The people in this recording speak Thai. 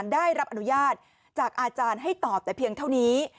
ได้รับอนุญาตจากอาจารย์ให้ตอบแต่เพียงเท่านี้